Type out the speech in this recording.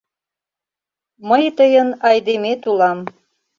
Мый тыйын айдемет улам!..